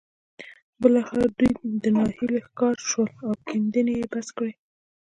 بالاخره دوی د ناهيلۍ ښکار شول او کيندنې يې بس کړې.